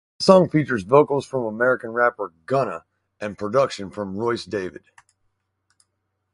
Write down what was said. The song features vocals from American rapper Gunna and production from Royce David.